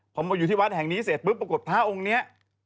พอมาอยู่ที่วัดแห่งนี้เสร็จปุ๊บปรากฏพระองค์นี้